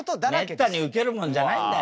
めったにウケるもんじゃないんだよ。